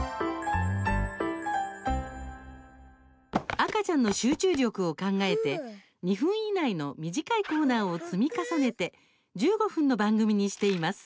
赤ちゃんの集中力を考えて２分以内の短いコーナーを積み重ねて１５分の番組にしています。